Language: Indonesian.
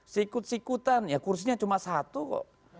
sikut sikutan ya kursinya cuma satu kok